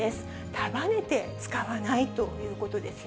束ねて使わないということですね。